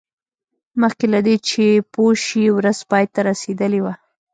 مخکې له دې چې پوه شي ورځ پای ته رسیدلې وه